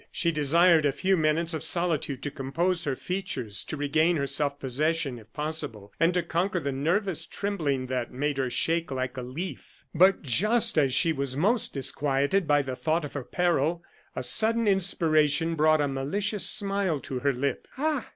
She desired a few minutes of solitude to compose her features, to regain her self possession, if possible, and to conquer the nervous trembling that made her shake like a leaf. But just as she was most disquieted by the thought of her peril, a sudden inspiration brought a malicious smile to her lip. "Ah!"